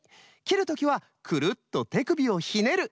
きるときはくるっとてくびをひねる！